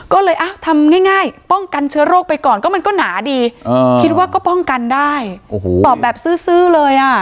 ก็เลยทำง่ายป้องกันเชื้อโรคไปก่อนก็มันก็หนาดีคิดว่าก็ป้องกันได้ตอบแบบซื้อเลยอ่ะ